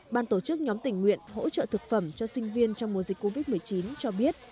ban tổ chức nhóm tình nguyện hỗ trợ thực phẩm cho sinh viên trong mùa dịch covid một mươi chín cho biết